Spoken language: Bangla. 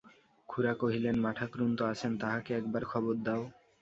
খুড়া কহিলেন, মাঠাকরুন তো আছেন, তাঁহাকে একবার খবর দাও।